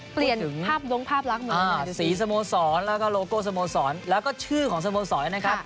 เปลี่ยนภาพล้งภาพลักษณ์มา๔สโมสรแล้วก็โลโก้สโมสรแล้วก็ชื่อของสโมสรนะครับ